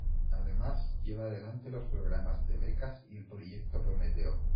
Además, lleva adelante los programas de Becas y el Proyecto Prometeo.